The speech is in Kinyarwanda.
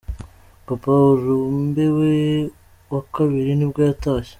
Papa arumbe wa kabiri nibwo yatashye.